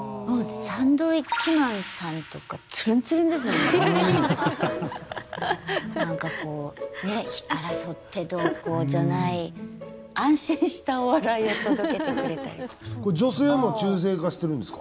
サンドウィッチマンさんとか何かこうね争ってどうこうじゃない安心したお笑いを届けてくれたりとか。